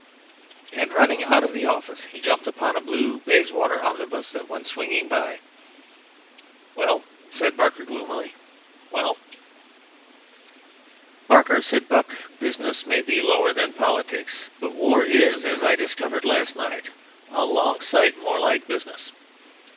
And, running out of the office, he jumped upon a blue Bayswater omnibus that went swinging by. "Well," said Barker, gloomily, "well." "Barker," said Buck, "business may be lower than politics, but war is, as I discovered last night, a long sight more like business.